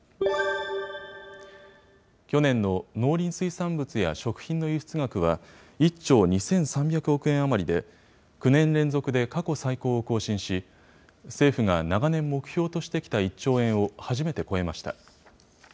去年の農林水産物や食品の輸出額は１兆２３００億円余りで、９年連続で過去最高を更新し、政府が長年目標としてきた１兆円を初めて超えました。